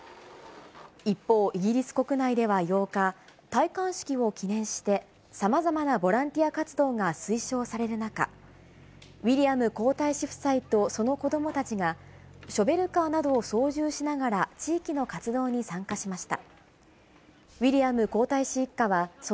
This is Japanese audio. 一方、イギリス国内では８日、戴冠式を記念して、さまざまなボランティア活動が推奨される中、ウィリアム皇太子夫妻とその子どもたちが、ショベルカーなどを操縦しながら、地域の活動に参加しました。